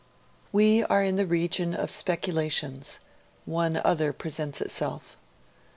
We are in the region of speculations; one other presents itself.